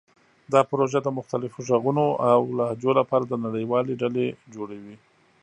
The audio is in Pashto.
دا پروژه د مختلفو غږونو او لهجو لپاره د نړیوالې ډلې جوړوي.